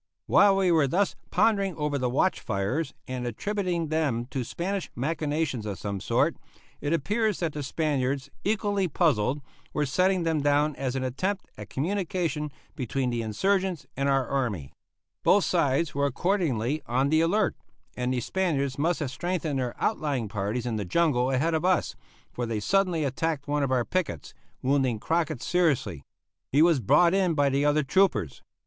While we were thus pondering over the watch fires and attributing them to Spanish machinations of some sort, it appears that the Spaniards, equally puzzled, were setting them down as an attempt at communication between the insurgents and our army. Both sides were accordingly on the alert, and the Spaniards must have strengthened their outlying parties in the jungle ahead of us, for they suddenly attacked one of our pickets, wounding Crockett seriously. He was brought in by the other troopers.